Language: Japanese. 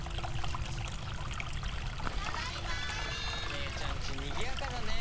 姉ちゃんちにぎやかだね。